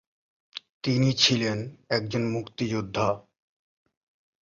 তিনি ছিলেন একজন মুক্তিযোদ্ধা।